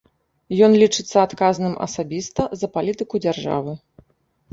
Ён лічыцца адказным асабіста за палітыку дзяржавы.